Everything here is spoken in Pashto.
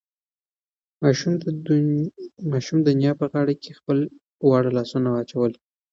ماشوم د نیا په غاړه کې خپل واړه لاسونه واچول.